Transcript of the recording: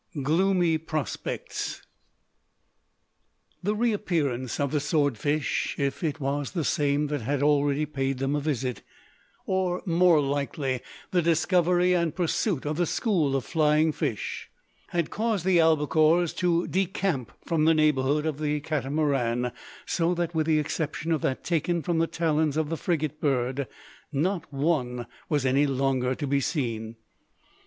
GLOOMY PROSPECTS. The reappearance of the sword fish, if it was the same that had already paid them a visit, or more likely the discovery and pursuit of the "school" of flying fish, had caused the albacores to decamp from the neighbourhood of the Catamaran; so that with the exception of that taken from the talons of the frigate bird, not one was any longer to be seen.